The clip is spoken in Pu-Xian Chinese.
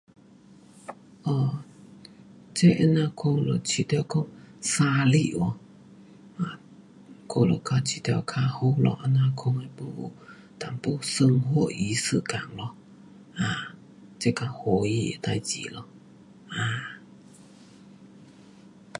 um 这这样我就觉得讲生日哦 um 我就觉得较好咯这样讲。也没什么 suka 咯。um 这较欢喜的事情咯。um